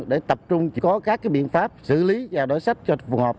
để tập trung có các biện pháp xử lý và đổi sách cho phù hợp